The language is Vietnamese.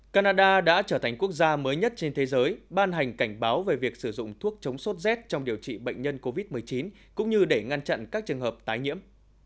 canada đã trở thành quốc gia mới nhất trên thế giới ban hành cảnh báo về việc sử dụng thuốc chống sốt z trong điều trị bệnh nhân covid một mươi chín cũng như để ngăn chặn các trường hợp tái nhiễm